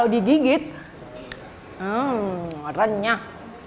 di gigit hmm renyah